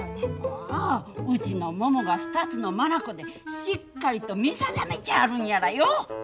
ああうちのももが２つの眼でしっかりと見定めちゃあるんやらよ！